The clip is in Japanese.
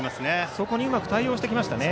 そこにうまく対応してきましたね。